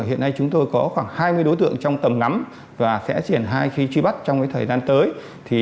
hiện nay chúng tôi có khoảng hai mươi đối tượng trong tầm ngắm và sẽ triển khai khi truy bắt trong thời gian tới